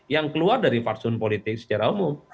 yang keluar dari farsun politik secara umum